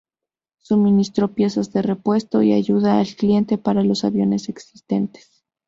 Suministró piezas de repuesto y ayuda al cliente para los aviones existentes.